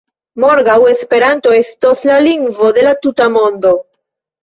Morgaŭ Esperanto estos la lingvo de la tuta Mondo!